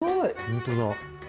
本当だ。